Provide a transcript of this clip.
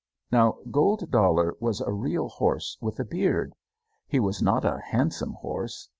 Now, Gold Dollar was a real horse with a beard. He was not a handsome horse.